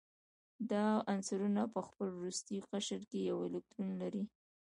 دا عنصرونه په خپل وروستي قشر کې یو الکترون لري.